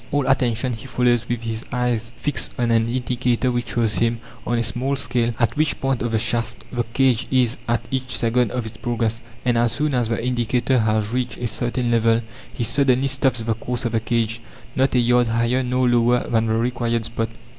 All attention, he follows with his eyes fixed on an indicator which shows him, on a small scale, at which point of the shaft the cage is at each second of its progress; and as soon as the indicator has reached a certain level, he suddenly stops the course of the cage, not a yard higher nor lower than the required spot.